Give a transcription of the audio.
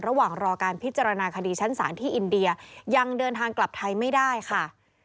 ระหว่างรอการพิจารณาคดีชั้นศาลที่อินเดียยังเดินทางกลับไทยไม่ได้ค่ะ